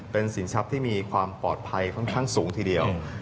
เป็นสินทรัพย์ที่มีความปลอดภัยค่อนข้างสูงทีเดียว